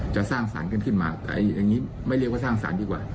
สร้างสรรค์กันขึ้นมาแต่อย่างนี้ไม่เรียกว่าสร้างสรรค์ดีกว่า